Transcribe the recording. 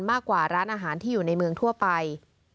มากกว่าร้านอาหารที่อยู่ในเมืองทั่วไป